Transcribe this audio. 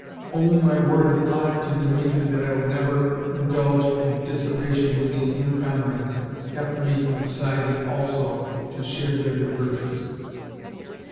Only my word of honour to Dimitri that I would never indulge in dissipation with these new comrades kept me from deciding also to share their diversions.